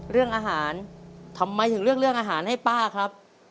เรื่องอาหารทำไมถึงเลือกเรื่องอาหารให้ป้าครับ